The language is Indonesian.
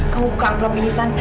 kamu buka amplop ini san